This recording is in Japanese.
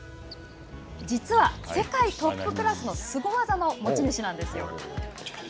実は、世界トップクラスのすご技の持ち主なんですよ。